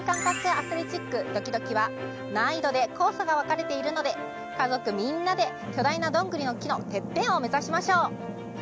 アスレチックＤＯＫＩＤＯＫＩは難易度でコースが分かれているので家族みんなで巨大などんぐりの木のてっぺんを目指しましょう。